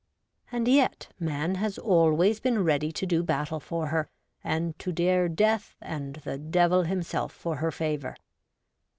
And yet man has always been ready to do battle for her, and to dare death and the Devil himself for her favour.